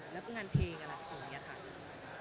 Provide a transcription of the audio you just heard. แล้วก็งานเพลงล่ะคือยังไงค่ะ